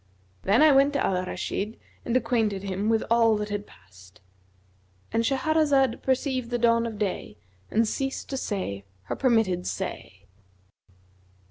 Then I went to Al Rashid and acquainted him with all that had passed" And Shahrazad perceived the dawn of day and ceased to say her permitted say.